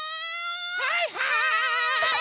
はいはい！